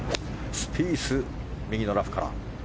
スピース、右のラフから。